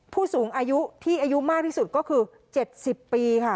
ผู้สูงอายุที่อายุมากที่สุดก็คือ๗๐ปีค่ะ